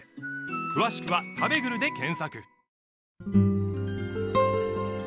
詳しくは「たべぐる」で検索